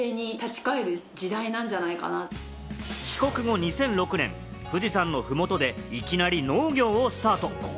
帰国後２００６年、富士山の麓でいきなり農業をスタート。